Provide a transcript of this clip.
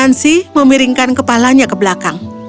ansi memiringkan kepalanya ke belakang